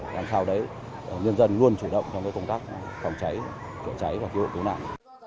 làm sao đấy nhân dân luôn chủ động trong cái công tác phòng cháy chữa cháy và cứu nạn